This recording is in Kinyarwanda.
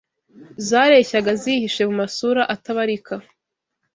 zareshyaga zihishe mu masura atabarika